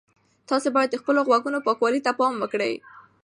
تاسي باید د خپلو غوږونو پاکوالي ته پام وکړئ.